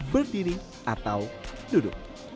berdiri atau duduk